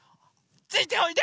ついておいで！